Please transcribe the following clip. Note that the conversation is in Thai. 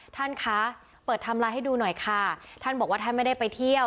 ท่านคะเปิดไทม์ไลน์ให้ดูหน่อยค่ะท่านบอกว่าท่านไม่ได้ไปเที่ยว